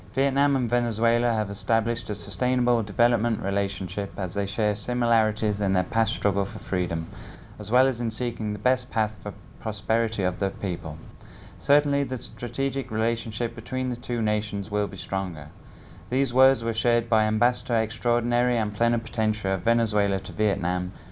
và để hiểu rõ hơn về những suy nghĩ những câu chuyện của ông trong quá trình hoạt động ngoại giao tại việt nam